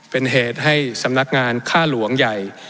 เป็นเหตุให้สำนักงานค่าหลวงใหญ่